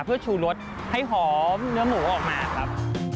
เพื่อชูรสให้หอมเนื้อหมูออกมาครับ